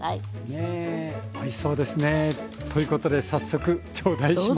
ねえおいしそうですね。ということで早速頂戴します。